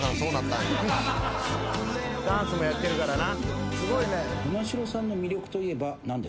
ダンスもやってるからな。